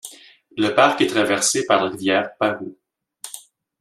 Le parc est traversé par la rivière Paroo.